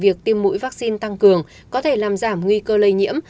việc tiêm mũi vaccine tăng cường có thể làm giảm nguy cơ lây nhiễm